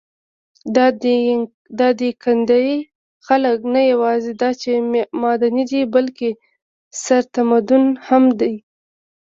د دايکندي خلک نه یواځې دا چې معدني دي، بلکې ثروتمنده هم دي.